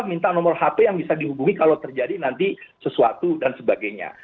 minta nomor hp yang bisa dihubungi kalau terjadi nanti sesuatu dan sebagainya